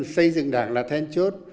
xây dựng đảng là then chốt